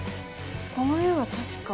この絵は確か。